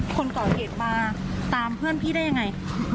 คนก่อเหตุมาตามเพื่อนพี่ได้ยังไง